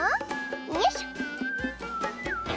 よいしょ。